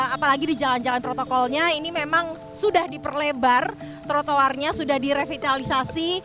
apalagi di jalan jalan protokolnya ini memang sudah diperlebar trotoarnya sudah direvitalisasi